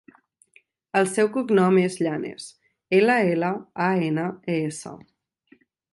El seu cognom és Llanes: ela, ela, a, ena, e, essa.